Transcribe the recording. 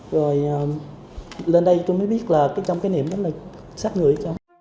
rồi lên đây tôi mới biết là cái trong cái niệm đó là sát người